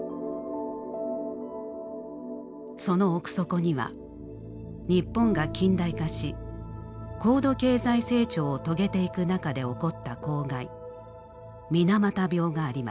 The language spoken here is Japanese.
その奥底には日本が近代化し高度経済成長を遂げていく中で起こった公害水俣病があります。